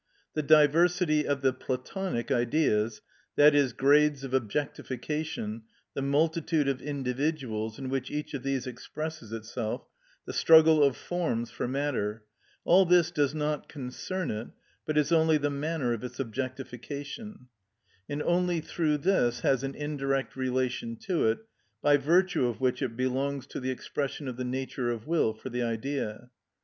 The diversity of the (Platonic) Ideas, i.e., grades of objectification, the multitude of individuals in which each of these expresses itself, the struggle of forms for matter,—all this does not concern it, but is only the manner of its objectification, and only through this has an indirect relation to it, by virtue of which it belongs to the expression of the nature of will for the idea.